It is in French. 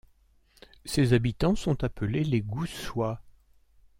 Ses habitants sont appelés les Goussois.